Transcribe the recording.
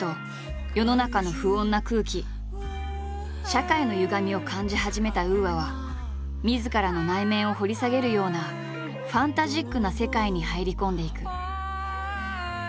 社会のゆがみを感じ始めたＵＡはみずからの内面を掘り下げるようなファンタジックな世界に入り込んでいく。